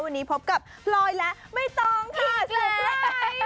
วันนี้พบกับลอยและไม่ต้องค่ะอีกแล้ว